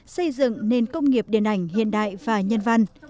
xây dựng nền công nghiệp điện ảnh hiện đại và nhân văn